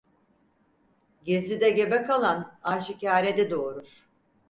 Gizlide gebe kalan, aşikârede doğurur.